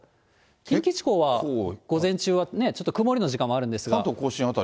近畿地方は午前中はちょっと曇りの時間もあるんですが。